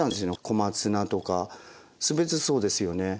小松菜とか全てそうですよね。